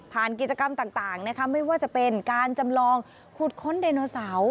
ผ่านกิจกรรมต่างไม่ว่าจะเป็นการจำลองขุดค้นไดโนเซา